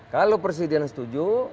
kalau presiden setuju